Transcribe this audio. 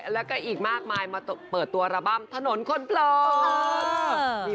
แล้วก็อีกมากมายมาเปิดตัวระบำถนนคนเปิด